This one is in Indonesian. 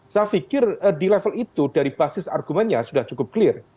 saya pikir di level itu dari basis argumennya sudah cukup clear